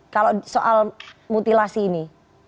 kalau soal mutilasi ini